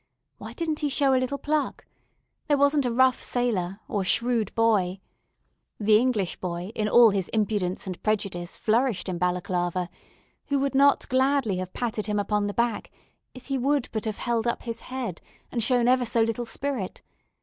Why didn't he show a little pluck? There wasn't a rough sailor, or shrewd boy the English boy, in all his impudence and prejudice, flourished in Balaclava who would not gladly have patted him upon the back if he would but have held up his head, and shown ever so little spirit.